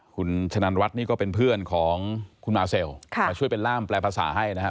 คุณฉนานรัชน์นี้ก็เป็นเพื่อนของคุณมาเซลช่วยเป็นร่างแปลภัษาให้นะครับ